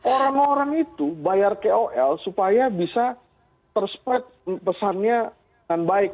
orang orang itu bayar kol supaya bisa ter spread pesannya dengan baik